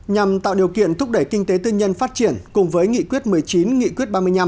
nhằm tạo điều kiện thúc đẩy kinh tế tư nhân phát triển cùng với nghị quyết một mươi chín nghị quyết ba mươi năm